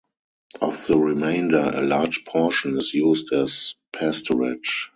Of the remainder, a large portion is used as pasturage.